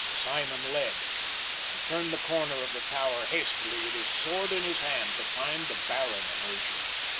Simon led, and turned the corner of the tower hastily with his sword in his hand to find the Baron emerging.